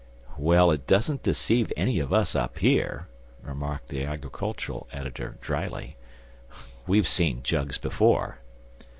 "Well, it don't deceive any of us up here," remarked the agricultural editor, dryly. "We've seen jugs before."